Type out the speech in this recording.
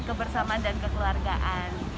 kebersamaan dan kekeluargaan